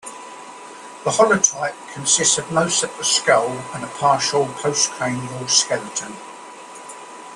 The holotype consists of most of the skull and a partial postcranial skeleton.